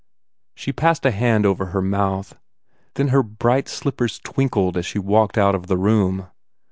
She passed a hand over her mouth. Then her bright slippers twinkled as she walked out of the room.